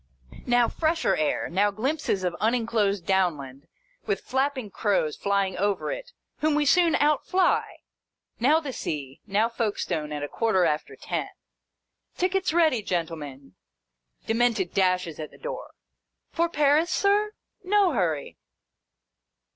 Now fresher air, now glimpses of unenclosed Down land with flapping crows flying over it whom we soon outfly, now the Sea, now Folke stone at a quarter after ten. " Tickets ready, gentlemen !" Demented dashes at the door. " For Paris, Sir ? No hurry."